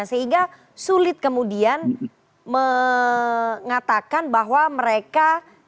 sehingga sulit kemudian mengatakan bahwa mereka